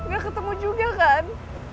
gak ketemu juga kan